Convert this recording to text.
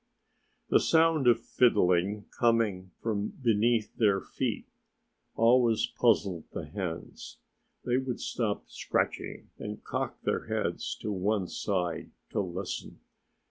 The sound of fiddling, coming from beneath their feet, always puzzled the hens. They would stop scratching and cock their heads on one side, to listen.